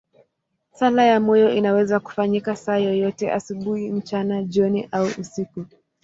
Sala ya moyo inaweza kufanyika saa yoyote, asubuhi, mchana, jioni au usiku.